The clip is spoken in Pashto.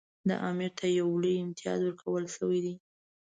دا امیر ته یو لوی امتیاز ورکړل شوی دی.